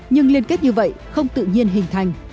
nhưng liên kết như vậy không tự nhiên hình thành